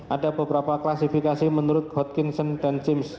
ada beberapa klasifikasi menurut hotkinson dan james